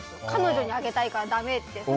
彼女にあげたいからだめって。